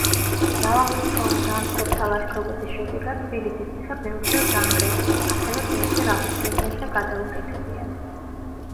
მრავალრიცხოვან დამპყრობთა ლაშქრობების შედეგად თბილისის ციხე ბევრჯერ დანგრეულა, ასევე ბევრჯერ აღუდგენიათ და გადაუკეთებიათ.